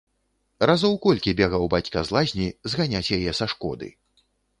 Разоў колькі бегаў бацька з лазні зганяць яе са шкоды.